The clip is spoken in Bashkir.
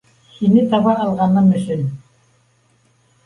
Һине таба алғаным өсөн